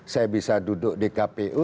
saya bisa duduk di kpu